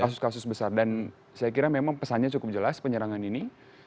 kasus kasus besar dan saya kira memang pesannya cukup jelas penyerangan ini